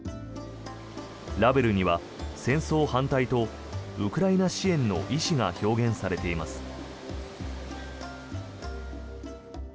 ラベルには戦争反対とウクライナ支援の意思が表現されています。